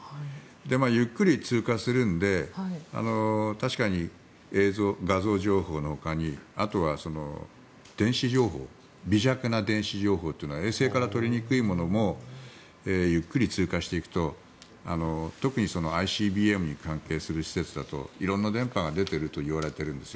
ゆっくり通過するので確かに画像情報のほかにあとは電子情報微弱な電子情報というのは衛星から取りにくいものもゆっくり通過していくと特にＩＣＢＭに関係する施設だと色んな電波が出ているといわれているんですよ